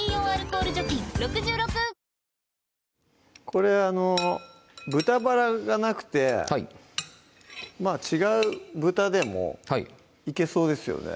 これあの豚バラがなくてはいまぁ違う豚でもいけそうですよね